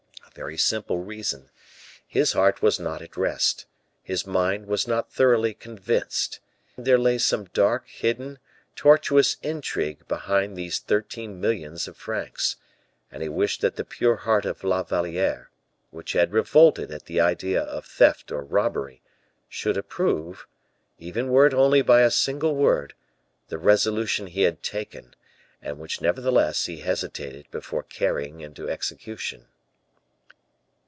A very simple reason his heart was not at rest, his mind was not thoroughly convinced; he imagined there lay some dark, hidden, tortuous intrigue behind these thirteen millions of francs; and he wished that the pure heart of La Valliere, which had revolted at the idea of theft or robbery, should approve even were it only by a single word the resolution he had taken, and which, nevertheless, he hesitated before carrying into execution.